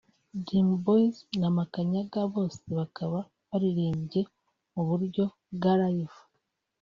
Dream Boyz na Makanyaga; bose bakaba baririmbye mu buryo bwa live